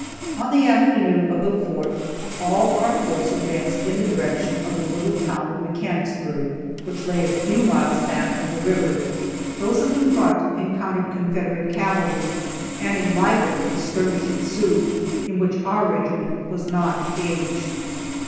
On the afternoon of the 4th all our force advanced in the direction of the little town of Mechanicsburg, which lay a few miles back of the river. Those in the front encountered Confederate cavalry, and a lively little skirmish ensued, in which our regiment was not engaged.